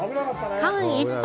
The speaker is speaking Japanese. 間一髪！